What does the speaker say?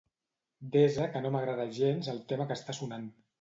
Desa que no m'agrada gens el tema que està sonant.